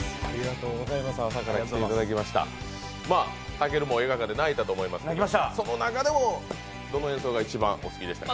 たけるも映画観で泣いたと思いますけれども、その中でもどの演奏が一番お好きでしたか？